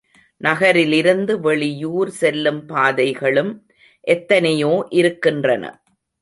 நகரில் இருந்து வெளியூர் செல்லும் பாதைகளும் எத்தனையோ இருக்கின்றன.